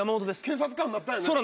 警察官なったんよね？